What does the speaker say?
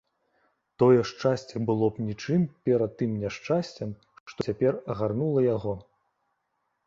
Тое шчасце было б нічым перад тым няшчасцем, што цяпер агарнула яго.